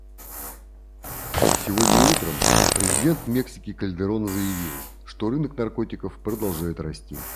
Сегодня утром президент Мексики Кальдерон заявил, что рынок наркотиков продолжает расти.